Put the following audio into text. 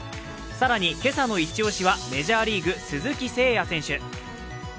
更に今朝のイチオシはメジャーリーグ、鈴木誠也選手。